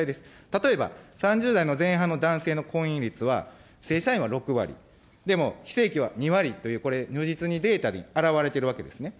例えば３０代の前半の男性の婚姻率は、正社員は６割、でも非正規は２割と、これ、如実にデータに表れているわけですね。